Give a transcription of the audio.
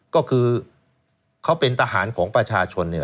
ก็คือเขาเป็นทหารของประชาชน